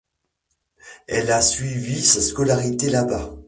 Elle a suivi sa scolarité là-bas.